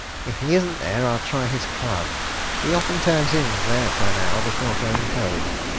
If he isn't there, I'll try his club he often turns in there for an hour before going home."